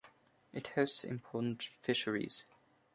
It hosts important fisheries.